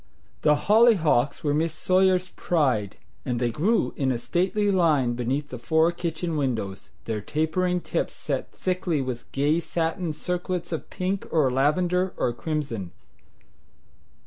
The hollyhocks were Miss Sawyer's pride, and they grew in a stately line beneath the four kitchen windows, their tapering tips set thickly with gay satin circlets of pink or lavender or crimson.